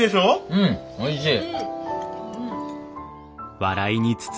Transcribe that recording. うんおいしい。